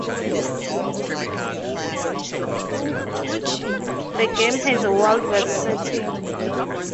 The game has a Wild West setting.